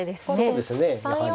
そうですねやはり。